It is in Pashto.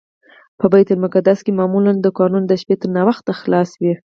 په بیت المقدس کې معمولا دوکانونه د شپې تر ناوخته خلاص وي.